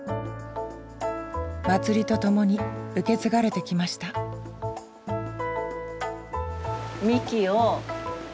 祭りとともに受け継がれてきましたみき。